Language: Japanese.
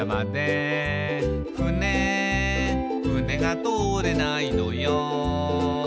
「ふねふねが通れないのよ」